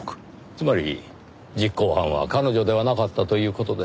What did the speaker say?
つまり実行犯は彼女ではなかったという事です。